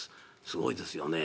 すごいですよね。